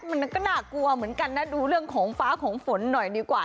มันก็น่ากลัวเหมือนกันนะดูเรื่องของฟ้าของฝนหน่อยดีกว่า